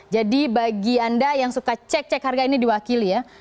jadi bagi anda yang suka cek cek harga ini diwakili ya